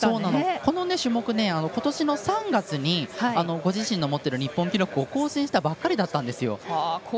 この記録ことしの３月に自身の持つ日本記録を更新したばかりだったんですよ。